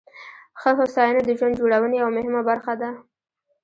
ښه هوساینه د ژوند جوړونې یوه مهمه برخه ده.